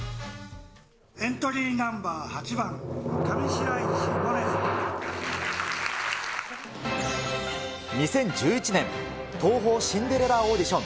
エントリーナンバー８番、２０１１年、東宝シンデレラオーディション。